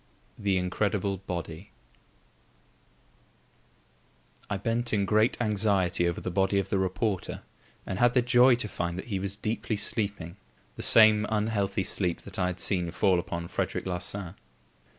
The Incredible Body I bent in great anxiety over the body of the reporter and had the joy to find that he was deeply sleeping, the same unhealthy sleep that I had seen fall upon Frederic Larsan.